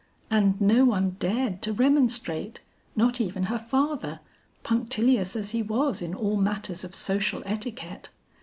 And no one dared to remonstrate, not even her father, punctillious as he was in all matters of social etiquette.